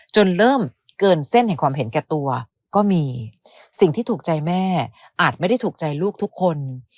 จนเริ่มเกินเส้นแห่งความเห็นแก่ตัวก็มีสิ่งที่ถูกใจแม่อาจไม่ได้ถูกใจลูกทุกคน